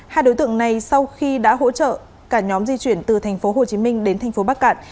hai đối tượng này sau khi đã hỗ trợ cả nhóm di chuyển từ tp hcm đến tp bắc cạn